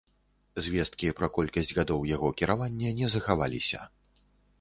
Звесткі пра колькасць гадоў яго кіравання не захаваліся.